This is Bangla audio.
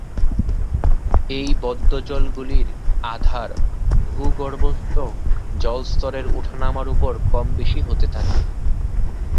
এই বদ্ধজলগুলির আধার ভূগর্ভস্থ জল স্তরের ওঠানামার উপর কম বেশী হতে থাকে।